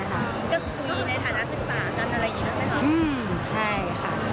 ก็คุยในฐานะศึกษากันอะไรอย่างนี้นะคะใช่ค่ะ